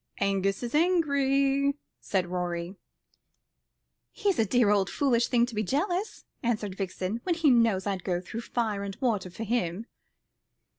"Argus is angry." said Rorie. "He's a dear old foolish thing to be jealous," answered Vixen, "when he knows I'd go through fire and water for him."